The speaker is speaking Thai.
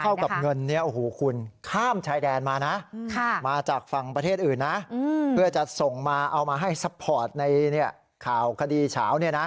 กับเงินนี้โอ้โหคุณข้ามชายแดนมานะมาจากฝั่งประเทศอื่นนะเพื่อจะส่งมาเอามาให้ซัพพอร์ตในข่าวคดีเฉา